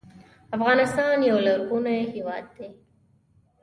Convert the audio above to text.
افغانستان یو لرغونی هیواد دی.